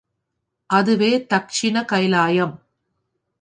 அதுவே தக்ஷிண கயிலாயம்.